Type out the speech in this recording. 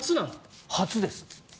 初です。